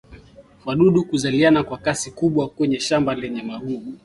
wadudu kuzaliana kwa kasi kubwa kwenye shamba lenye magugu